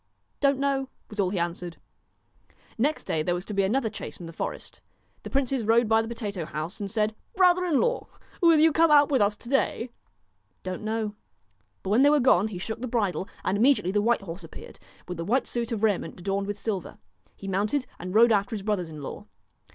' Don't know,' was all he answered. Next day there was to be another chase in the forest. The princes rode by the potato house, and said :* Brother in law, will you come out with us to day ?' 1 Don't know.' But when they were gone he shook the bridle, and immediately the white horse appeared, with the white suit of raiment adorned with silver. He mounted and rode after his brothers in law.